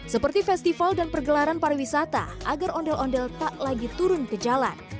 seperti festival dan pergelaran pariwisata agar ondel ondel tak lagi turun ke jalan